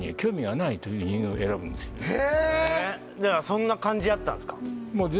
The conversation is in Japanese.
そんな感じやったんすか？